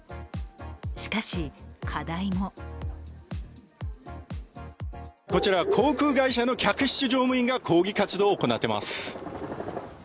しかし、課題もこちら、航空会社の客室乗務員が抗議活動を行っています。